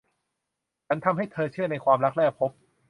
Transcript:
ฉันทำให้เธอเชื่อในความรักแรกพบ